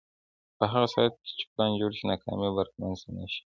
په هغه صورت کې چې پلان جوړ شي، ناکامي به رامنځته نه شي.